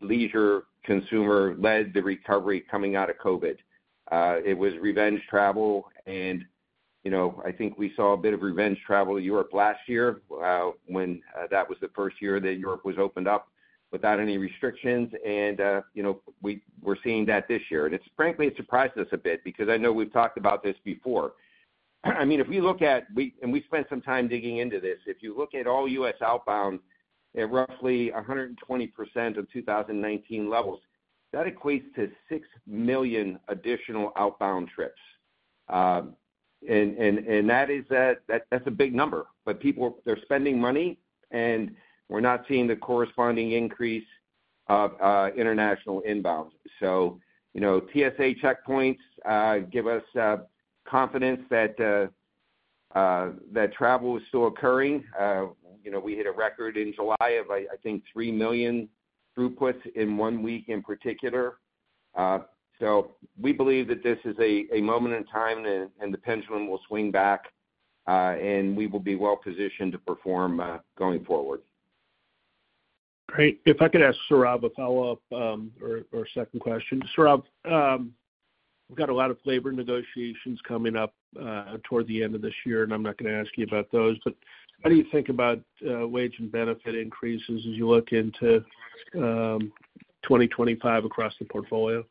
leisure consumer led the recovery coming out of COVID. It was revenge travel. You know, I think we saw a bit of revenge travel in Europe last year when that was the first year that Europe was opened up without any restrictions. You know, we're seeing that this year. It's, frankly, it surprised us a bit because I know we've talked about this before. I mean, if we look at, and we spent some time digging into this, if you look at all U.S. outbound at roughly 120% of 2019 levels, that equates to 6 million additional outbound trips. That is, that's a big number. But people, they're spending money, and we're not seeing the corresponding increase of international inbound. So, you know, TSA checkpoints give us confidence that travel is still occurring. You know, we hit a record in July of, I think, 3 million throughputs in one week in particular. So we believe that this is a moment in time and the pendulum will swing back, and we will be well positioned to perform going forward. Great. If I could ask Sourav a follow-up or second question. Sourav, we've got a lot of labor negotiations coming up toward the end of this year, and I'm not going to ask you about those, but how do you think about wage and benefit increases as you look into 2025 across the portfolio?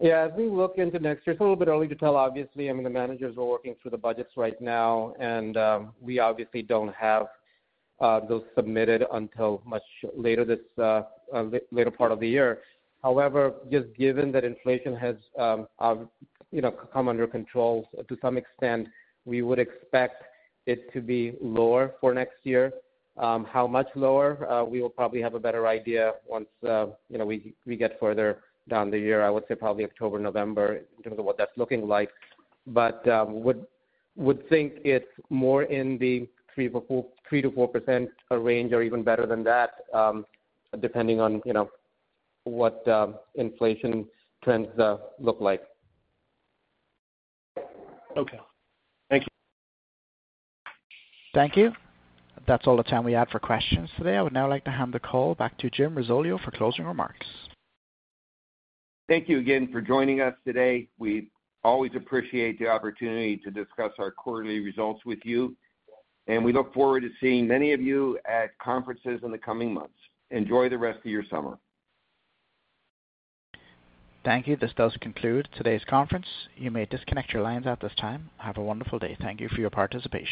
Yeah, as we look into next year, it's a little bit early to tell, obviously. I mean, the managers are working through the budgets right now, and we obviously don't have those submitted until much later this later part of the year. However, just given that inflation has, you know, come under control to some extent, we would expect it to be lower for next year. How much lower? We will probably have a better idea once, you know, we get further down the year. I would say probably October, November in terms of what that's looking like. But would think it's more in the 3%-4% range or even better than that, depending on, you know, what inflation trends look like. Okay. Thank you. Thank you. That's all the time we had for questions today. I would now like to hand the call back to Jim Risoleo for closing remarks. Thank you again for joining us today. We always appreciate the opportunity to discuss our quarterly results with you, and we look forward to seeing many of you at conferences in the coming months. Enjoy the rest of your summer. Thank you. This does conclude today's conference. You may disconnect your lines at this time. Have a wonderful day. Thank you for your participation.